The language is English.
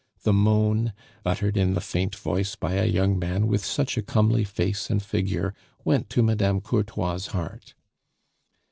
The moan, uttered in the faint voice by a young man with such a comely face and figure, went to Mme. Courtois' heart.